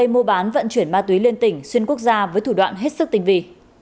mô bán vận chuyển ma túy lên tỉnh xuyên quốc gia với thủ đoạn hết sức tình vị